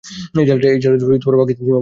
এই জেলাটি পাকিস্তান সীমান্তবর্তী।